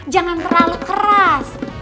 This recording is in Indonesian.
jangan terlalu keras